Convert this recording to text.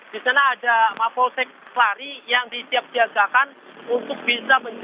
di sana ada mapoltec kelari yang disiap jagakan untuk bisa menjaga kemampuan pemudik